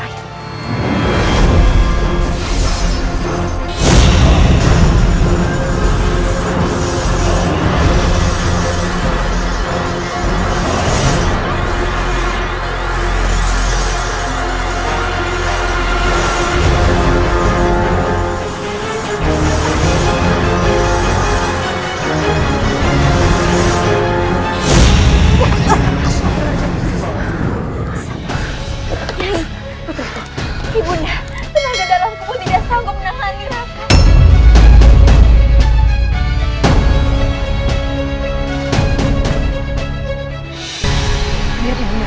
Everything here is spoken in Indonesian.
kita harus pergi munyai